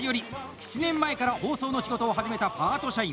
７年前から包装の仕事を始めたパート社員。